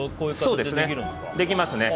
できますね。